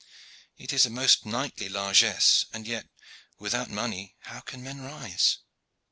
It is a most knightly largesse, and yet withouten money how can man rise?"